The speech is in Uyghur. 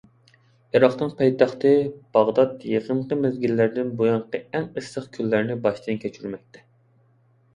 ئىراقنىڭ پايتەختى باغدات يېقىنقى مەزگىللەردىن بۇيانقى ئەڭ ئىسسىق كۈنلەرنى باشتىن كەچۈرمەكتە.